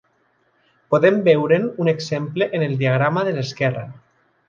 Podem veure'n un exemple en el diagrama de l'esquerra.